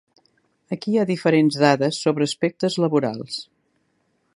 Aquí hi ha diferents dades sobre aspectes laborals.